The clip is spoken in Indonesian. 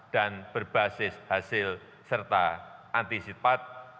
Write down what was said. dan berbasis hasil serta antisipat